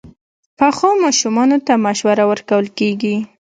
پخو ماشومانو ته مشوره ورکول کېږي